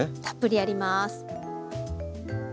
たっぷりやります。